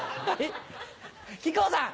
木久扇さん。